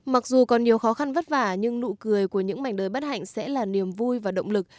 mặc dù còn nhiều khó khăn vất vả nhưng nụ cười của những mảnh đời bất hạnh sẽ là niềm vui và động lực